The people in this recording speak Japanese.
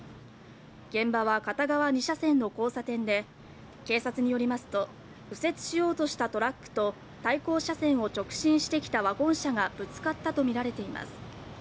現場は片側２車線の交差点で、警察によりますと、右折しようとしたトラックと、対向車線を直進してきたワゴン車がぶつかったと見られています。